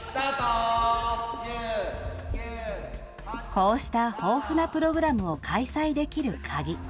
こうした豊富なプログラムを開催できるかぎ。